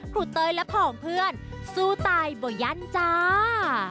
ครูเตยและผ่องเพื่อนสู้ตายบ่ยันจ่า